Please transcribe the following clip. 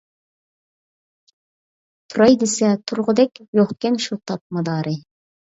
تۇراي دېسە تۇرغۇدەك، يوقكەن شۇ تاپ مادارى.